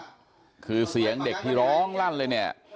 ก็คือเสียงเด็กที่ร้องรั่นเลยแหนะ